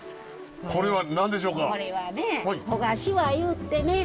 これは何でしょうか？